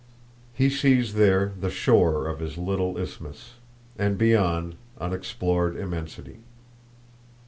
He sees there the shore of his little isthmus, and, beyond, unexplored immensity.